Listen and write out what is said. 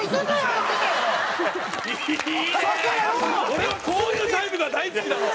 俺はこういうタイプが大好きなの。